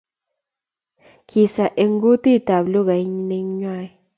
Kisa en kotut ab lukait ne nywan